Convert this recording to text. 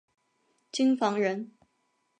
京房人。